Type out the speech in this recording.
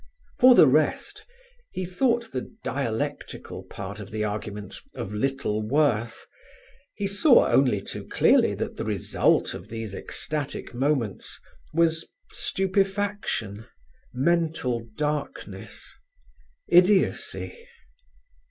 For the rest, he thought the dialectical part of his argument of little worth; he saw only too clearly that the result of these ecstatic moments was stupefaction, mental darkness, idiocy.